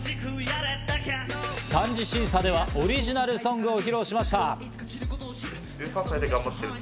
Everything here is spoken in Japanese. ３次審査ではオリジナルソングを披露しました。